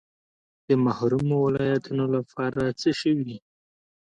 د محرومو ولایتونو لپاره څه شوي؟